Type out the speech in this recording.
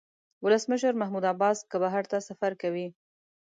ولسمشر محمود عباس که بهر ته سفر کوي.